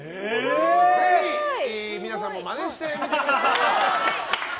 ぜひ皆さんもマネしてみてください。